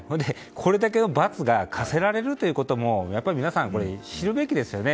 これだけの罰が科せられるということもやっぱり皆さん知るべきですよね。